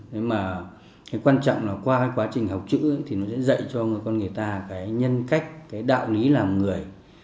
nhưng mà cái quan trọng là qua quá trình học chữ thì nó sẽ dạy cho con người ta cái nhân cách cái đạo lý làm người